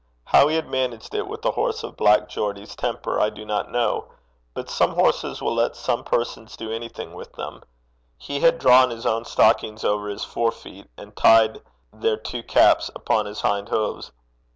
How he had managed it with a horse of Black Geordie's temper, I do not know, but some horses will let some persons do anything with them: he had drawn his own stockings over his fore feet, and tied their two caps upon his hind hoofs.